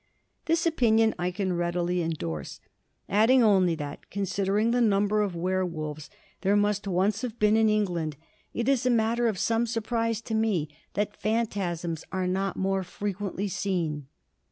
This opinion I can readily endorse, adding only that, considering the number of werwolves there must once have been in England, it is a matter of some surprise to me that phantasms are not more frequently seen.